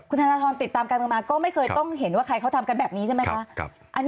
ธนทรติดตามการเมืองมาก็ไม่เคยต้องเห็นว่าใครเขาทำกันแบบนี้ใช่ไหมคะ